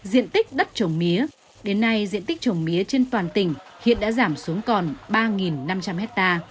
diện tích đất trồng mía đến nay diện tích trồng mía trên toàn tỉnh hiện đã giảm xuống còn ba năm trăm linh ha